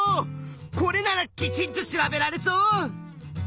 これならきちんと調べられそう！